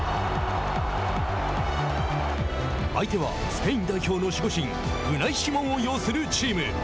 相手はスペイン代表の守護神ウナイ・シモンを擁するチーム。